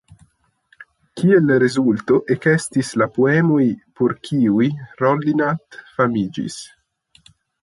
Kiel rezulto ekestis la poemoj por kiuj Rollinat famiĝis.